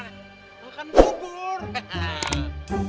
enggak enggak enggak